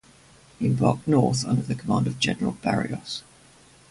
He embarked north under the command of General Barrios.